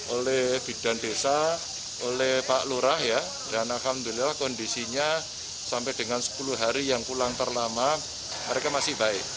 oleh bidan desa oleh pak lurah ya dan alhamdulillah kondisinya sampai dengan sepuluh hari yang pulang terlama mereka masih baik